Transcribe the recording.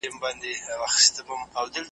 څوک چي ستوان خوري شپېلۍ نه وهي .